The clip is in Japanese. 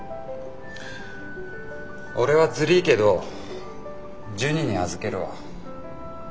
俺はずりぃけどジュニに預けるわ。